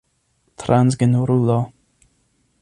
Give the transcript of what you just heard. transgenrulo